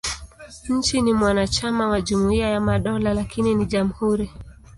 Nchi ni mwanachama wa Jumuiya ya Madola, lakini ni jamhuri.